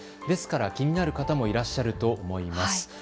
ですから気になる方もいらっしゃると思います。